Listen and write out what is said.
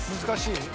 難しい？